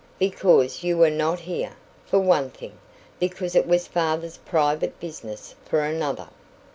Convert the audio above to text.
"Because you were not here, for one thing. Because it was father's private business, for another."